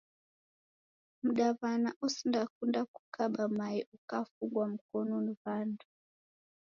Mdawana osindakunda kukaba mae ukafungwa mkonu ni wandu